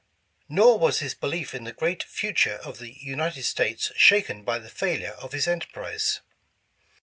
Nor was his belief in the great future of the United States shaken by the failure of his enterprise.